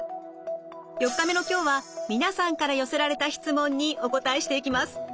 ４日目の今日は皆さんから寄せられた質問にお答えしていきます。